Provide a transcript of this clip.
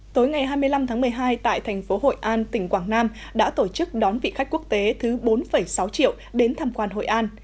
tối ngày hai mươi năm tháng một mươi hai tại thành phố hội an tỉnh quảng nam đã tổ chức đón vị khách quốc tế thứ bốn sáu triệu đến tham quan hội an